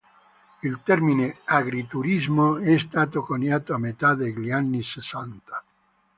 Il termine "agriturismo" è stato coniato a metà degli anni sessanta.